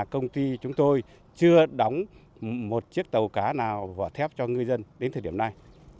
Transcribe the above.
công ty chúng tôi chưa đóng một chiếc tàu cá nào vỏ thép cho ngư dân đến thời điểm này